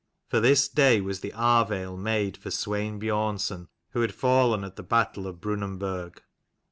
For this day was the Arvale made for Swein Biornson who had fallen at the battle of Brunanburg.